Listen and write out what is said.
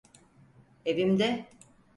Evimde…